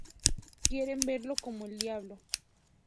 Quieren verlo como el diablo.